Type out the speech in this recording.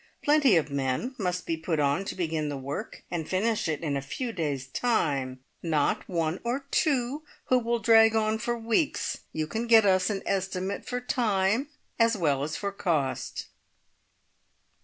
Plenty of men must be put on to begin the work and finish it in a few days' time, not one or two who will drag on for weeks. You can get us an estimate for time, as well as for cost."